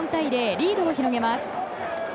リードを広げます。